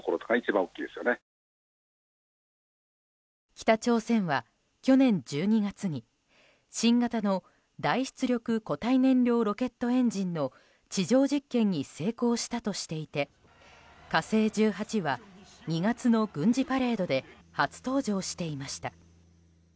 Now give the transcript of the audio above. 北朝鮮は去年１２月に新型の大出力固体燃料ロケットエンジンの地上実験に成功したとしていて「火星１８」は２月の軍事パレードで初登場していました。